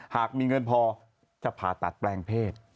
หากมีเงินพอจะผ่าตัดแปลงเพศ